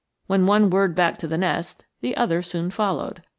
When one whirred back to the nest, the other soon followed.